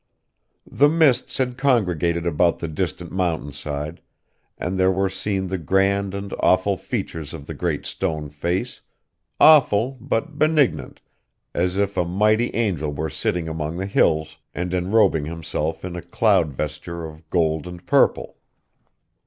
The mists had congregated about the distant mountainside, and there were seen the grand and awful features of the Great Stone Face, awful but benignant, as if a mighty angel were sitting among the hills, and enrobing himself in a cloud vesture of gold and purple.